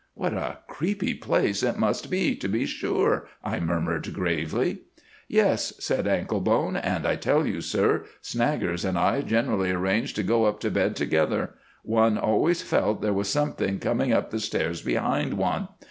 "What a creepy place it must be, to be sure," I murmured, gravely. "Yes!" said Anklebone, "and I tell you sir, Snaggers and I generally arranged to go up to bed together; one always felt there was something coming up the stairs behind one.